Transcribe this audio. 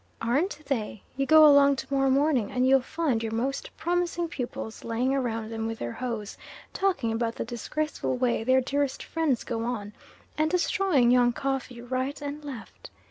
Aren't they! You go along to morrow morning, and you'll find your most promising pupils laying around them with their hoes, talking about the disgraceful way their dearest friends go on, and destroying young coffee right and left.